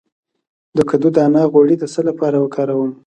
د کدو دانه غوړي د څه لپاره وکاروم؟